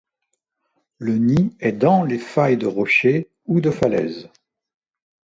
Le nid est dans les faille de rochers ou de falaises.